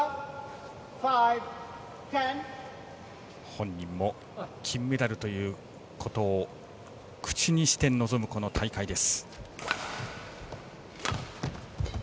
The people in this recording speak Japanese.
本人も金メダルということを口にして臨む、この大会です。